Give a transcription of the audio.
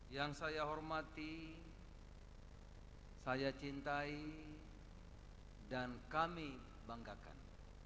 yang saya hormati saya cintai dan kami banggakan